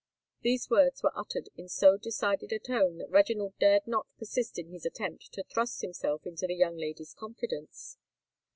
These words were uttered in so decided a tone, that Reginald dared not persist in his attempt to thrust himself into the young lady's confidence.